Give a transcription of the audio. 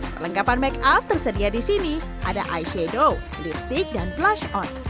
perlengkapan make up tersedia di sini ada eye shadow lipstick dan blush on